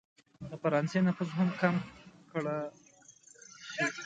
د فرانسې نفوذ هم کم کړه شي.